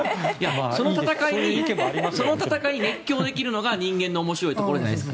でも、その戦いに熱狂できるのが人間の面白いところじゃないですか。